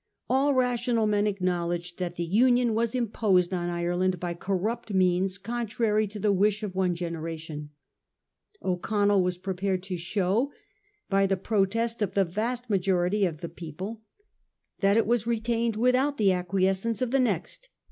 All rational men acknowledged that the Union was imposed on Ireland by corrupt means contrary to the wish of one generation. O'Connell was pre pared to show, by the protest of the vast majority of the people, that it was retained without the acquies cence of the next.